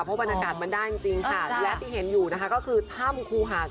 เพราะบรรยากาศมันได้จริงจริงค่ะและที่เห็นอยู่นะคะก็คือถ้ำคูหาด